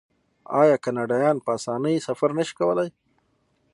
آیا کاناډایان په اسانۍ سفر نشي کولی؟